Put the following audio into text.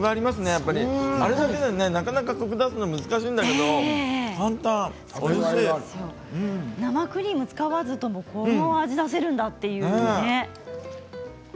やっぱり、あれだけでなかなかコクを出すの難しいんだけど生クリームを使わずともこの味を出せるんだというね。